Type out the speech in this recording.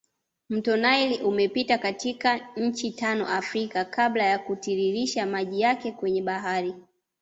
Mto nile umepita katika nchi tano Afrika kabla ya kutiririsha maji yake kwenye bahari